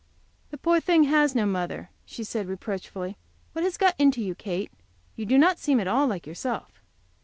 "The poor thing has no mother," she said, reproachfully. "What has got into you, Kate? You do not seem at all like yourself."